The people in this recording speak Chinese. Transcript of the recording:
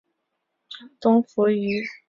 解夫娄迁都之后国号东扶余。